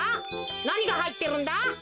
なにがはいってるんだ？